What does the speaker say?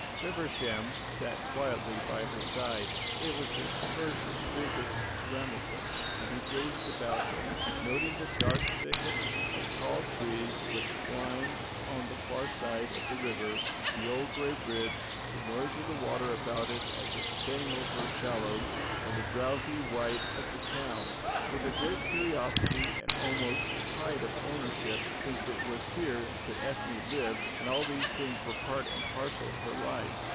Feversham sat silently by her side. It was his first visit to Ramelton, and he gazed about him, noting the dark thicket of tall trees which climbed on the far side of the river, the old grey bridge, the noise of the water above it as it sang over shallows, and the drowsy quiet of the town, with a great curiosity and almost a pride of ownership, since it was here that Ethne lived, and all these things were part and parcel of her life.